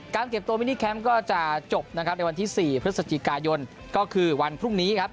เก็บตัวมินิแคมป์ก็จะจบนะครับในวันที่๔พฤศจิกายนก็คือวันพรุ่งนี้ครับ